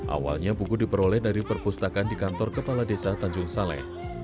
awalnya buku diperoleh dari perpustakaan di kantor kepala desa tanjung saleh